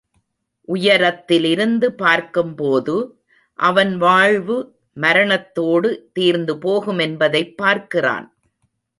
உயரத்திலிருந்து பார்க்கும்போது, அவன் வாழ்வு மரணத்தோடு தீர்ந்துபோகும் என்பதைப் பார்க்கிறான்.